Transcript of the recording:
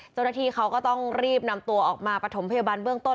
เจ้าหน้าที่เขาก็ต้องรีบนำตัวออกมาประถมพยาบาลเบื้องต้น